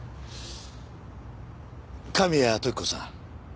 神谷時子さん。